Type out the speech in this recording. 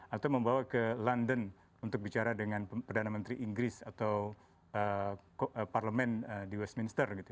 atau membawa ke london untuk bicara dengan perdana menteri inggris atau parlemen di westminster gitu